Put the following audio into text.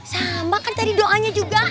sama kan tadi doanya juga